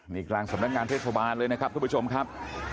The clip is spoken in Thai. นี่กลางสำนักงานเทศบาลเลยนะครับทุกผู้ชมครับ